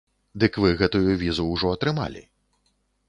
Дык вы гэтую візу ўжо атрымалі.